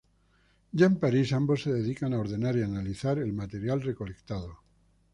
Ya en París, ambos se dedican a ordenar y analizar el material recolectado.